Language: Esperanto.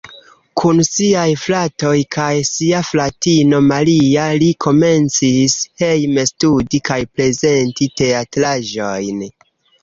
Kun siaj fratoj kaj sia fratino Maria li komencis hejme studi kaj prezenti teatraĵojn.